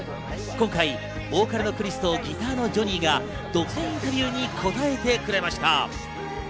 今回、ボーカルのクリスとギターのジョニーが独占インタビューに答えてくれました。